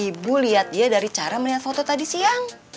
ibu lihat dia dari cara melihat foto tadi siang